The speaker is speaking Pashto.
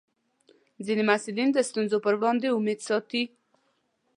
ځینې محصلین د ستونزو پر وړاندې امید ساتي.